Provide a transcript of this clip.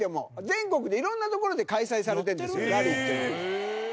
全国で色んなところで開催されてるんですラリーって。